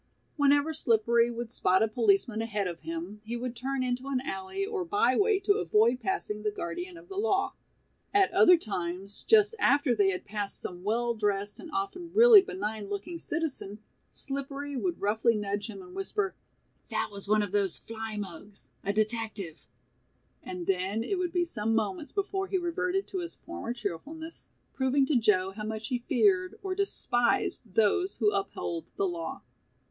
Whenever Slippery would spot a policeman ahead of him he would turn into an alley or by way to avoid passing the guardian of the law. At other times, just after they had passed some well dressed and often really benign looking citizen, Slippery would roughly nudge him and whisper, "that was one of those 'fly mugs' a detective", and then it would be some moments before he reverted to his former cheerfulness, proving to Joe how much he feared or despised those who uphold the law.